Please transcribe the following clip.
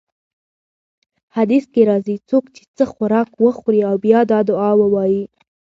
حديث کي راځي: څوک چې څه خوراک وخوري او بيا دا دعاء ووايي: